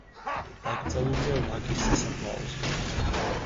დაკრძალულია ვაკის სასაფლაოზე.